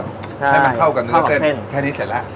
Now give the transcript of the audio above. ให้มันเข้ากับเนื้อเส้นแค่นี้เสร็จแล้ว